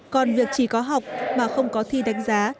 còn việc chỉ có học mà không có thi đánh giá